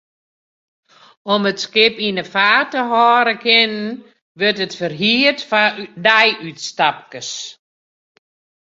Om it skip yn 'e feart hâlde te kinnen, wurdt it ferhierd foar deiútstapkes.